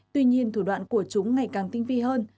tuy nhiên thủ đoạn của chúng ngày càng tinh vi hơn